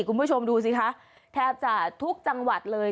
คุณผู้ชมดูสิคะแทบจะทุกจังหวัดเลย